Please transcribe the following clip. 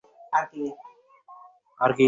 তার সাথের লোকজন ঘোড়াটা উদ্ধার করেছে।